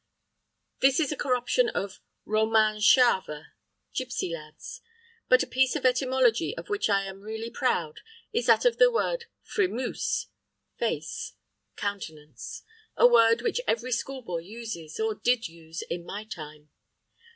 This is a corruption of romane tchave "gipsy lads." But a piece of etymology of which I am really proud is that of the word frimousse, "face," "countenance" a word which every schoolboy uses, or did use, in my time.